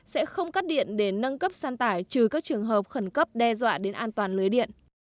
sẽ không cắt điện để nâng cấp san tải trừ các trường hợp khẩn cấp đe dọa đến an toàn lưới điện